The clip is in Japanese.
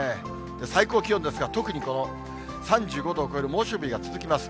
最高気温ですが、特にこの３５度を超える猛暑日が続きます。